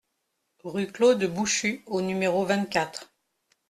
Rue Claude Bouchu au numéro vingt-quatre